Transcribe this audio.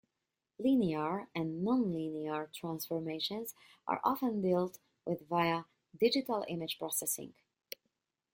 Linear and nonlinear transformations are often dealt with via digital image processing.